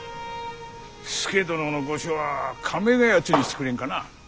佐殿の御所は亀谷にしてくれんかなあ。